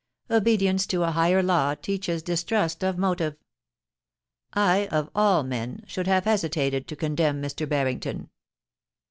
Obedience to a higher law teaches distrust of motive. I, of all men, should have hesitated to condemn Mr. Barrington.